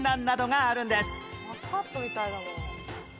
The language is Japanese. マスカットみたいだな。